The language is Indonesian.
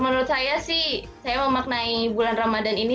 menurut saya sih saya memaknai bulan ramadhan ini